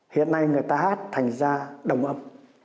hiện nay người ta hát thành ra đồng âm